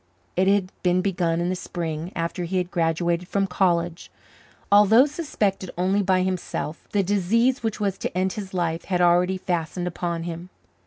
It had been begun in the spring after he had graduated from college. Although suspected only by himself, the disease which was to end his life had already fastened upon him.